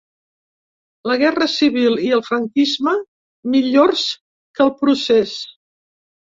La guerra civil i el franquisme millors que el procés.